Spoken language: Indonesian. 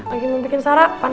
lagi membuat sarapan